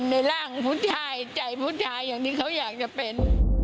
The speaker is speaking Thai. ในร่างของผู้ชายใจผู้ชายอย่างที่เขาอยากจะเป็น